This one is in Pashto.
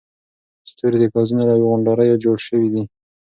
ستوري د ګازونو له غونډاریو جوړ شوي دي.